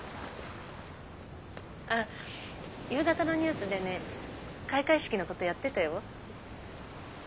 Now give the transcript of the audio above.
あ夕方のニュースでね開会式のことやってたよ。